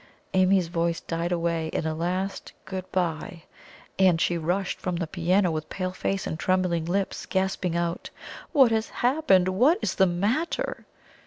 Amy's voice died away in a last "Good bye!" and she rushed from the piano, with pale face and trembling lips, gasping out: "What has happened? What is the matter?"